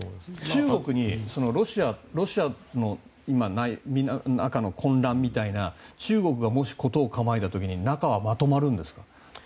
中国にロシアの中の混乱みたいな中国がもし事を構えた時に中はまとまるんですか？